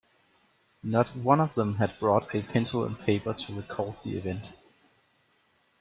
Not one of them had brought a pencil and paper to record the event.